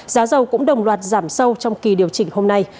giá dầu cũng đồng loạt giảm sâu trong kỳ điều chỉnh hôm nay